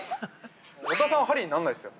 ◆小田さんはハリーになんないですよ。